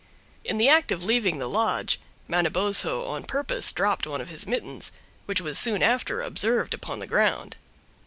In the act of leaving the lodge Manabozho on purpose dropped one of his mittens, which was soon after observed upon the ground.